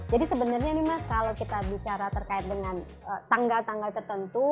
jadi sebenarnya nih mas kalau kita bicara terkait dengan tanggal tanggal tertentu